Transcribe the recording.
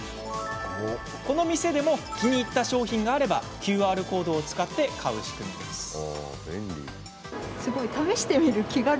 この店でも気に入った商品があればＱＲコードを使って買う仕組みです。